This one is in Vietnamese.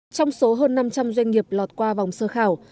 trong số hơn năm trăm linh doanh nghiệp lọt qua vòng sơ khảo